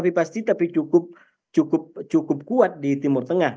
tapi pasti tapi cukup kuat di timur tengah